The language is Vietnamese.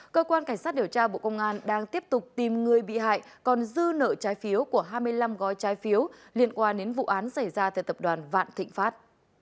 cơ quan cảnh sát điều tra bộ công an đang tiếp tục tìm người bị hại còn dư nợ trái phiếu của hai mươi năm gói trái phiếu liên quan đến vụ án xảy ra tại tập đoàn vạn thịnh pháp